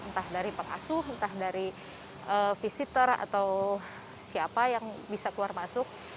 entah dari pengasuh entah dari visitor atau siapa yang bisa keluar masuk